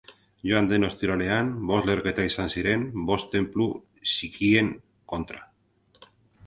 Joan den ostiralean bost leherketa izan ziren bost tenplu xiiten kontra.